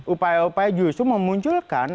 upaya upaya justru memunculkan